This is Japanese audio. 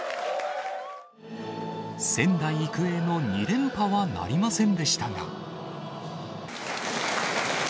仙台育英の２連覇はなりませんでしたが。